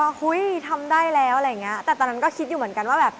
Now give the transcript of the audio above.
ตอนนั้นก็ได้แล้วแต่ตอนนั้นก็คิดอยู่เหมือนกัน